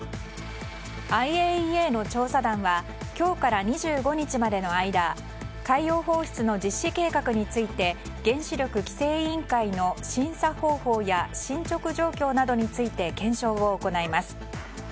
ＩＡＥＡの調査団は今日から２５日までの間海洋放出の実施計画について原子力規制委員会の審査方法や進捗状況などについて検証を行います。